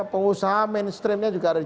pengusaha mainstreamnya juga ada